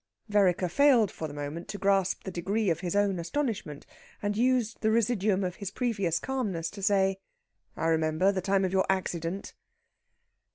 Vereker failed for the moment to grasp the degree of his own astonishment, and used the residuum of his previous calmness to say: "I remember. The time of your accident."